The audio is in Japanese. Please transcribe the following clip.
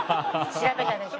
調べたでしょ。